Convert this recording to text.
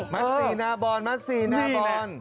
ัสซีนาบอลมัสซีนาบอล